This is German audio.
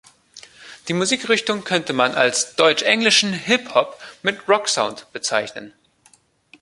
Die Musikrichtung könnte man als deutsch-englischen Hip Hop mit Rocksound bezeichnen.